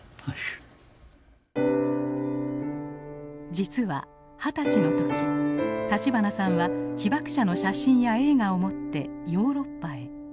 実は二十歳の時立花さんは被爆者の写真や映画を持ってヨーロッパへ。